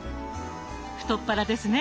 太っ腹ですね！